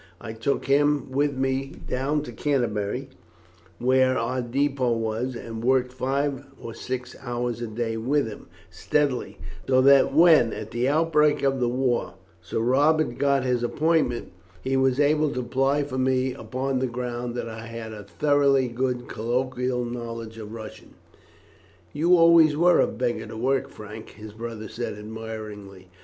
I took him with me down to Canterbury, where our depôt was, and worked five or six hours a day with him steadily, so that when, at the outbreak of war, Sir Robert got his appointment he was able to apply for me upon the ground, that I had a thoroughly good colloquial knowledge of Russian." "You always were a beggar to work, Frank," his brother said admiringly.